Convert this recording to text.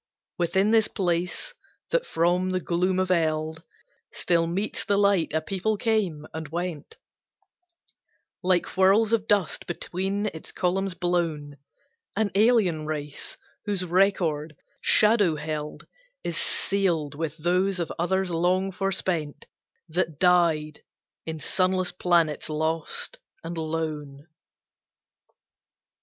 Within this place, that from the gloom of Eld Still meets the light, a people came and went Like whirls of dust between its columns blown An alien race, whose record, shadow held, Is sealed with those of others long forespent That died in sunless planets lost and lone.